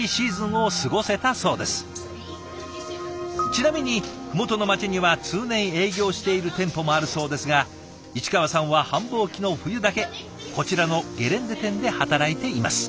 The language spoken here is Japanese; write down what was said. ちなみに麓の町には通年営業している店舗もあるそうですが市川さんは繁忙期の冬だけこちらのゲレンデ店で働いています。